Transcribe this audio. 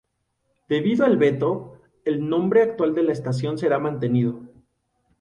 Debido al veto, el nombre actual de la estación será mantenido.